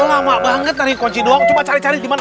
lama banget tarik kunci doang coba cari cari dimana